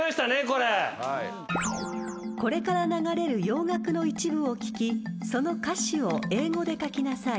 ［これから流れる洋楽の一部を聴きその歌詞を英語で書きなさい］